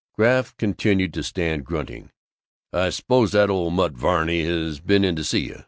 Graff continued to stand, grunting, "I suppose that old nut Varney has been in to see you.